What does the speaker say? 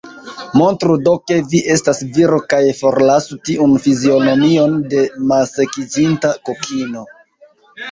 Montru do, ke vi estas viro, kaj forlasu tiun fizionomion de malsekiĝinta kokino.